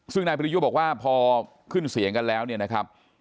ซึ่งนายปริยุบอกว่าพอขึ้นเสียงกันแล้วเนี่ยนะครับ